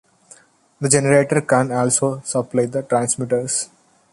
The generator can also supply the transmitters.